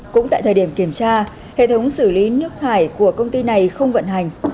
cũng tại thời điểm kiểm tra hệ thống xử lý nước thải của công ty này không vận hành